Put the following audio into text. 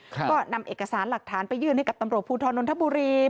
ก็นำเอกสารหลักฐานไปยื่นให้กับตำรวจภูทรนนทบุรี